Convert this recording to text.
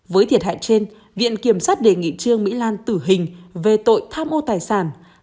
với thiệt hại trên viện kiểm sát đề nghị trương mỹ lan tử hình về tội tham ô tài sản